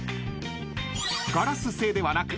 ［ガラス製ではなく］